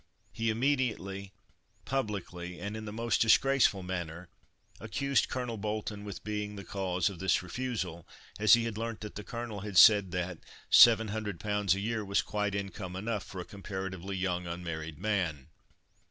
He immediately, publicly, and in the most disgraceful manner, accused Colonel Bolton with being the cause of this refusal, as he had learnt that the Colonel had said that "700 pounds a year was quite income enough for a comparatively young, unmarried man."